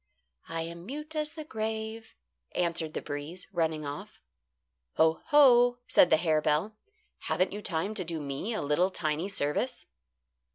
"I am mute as the grave," answered the breeze, running off. "Ho! ho!" said the harebell. "Haven't you time to do me a little, tiny service?"